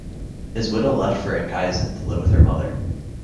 His widow left for Enkhuizen, to live with her mother.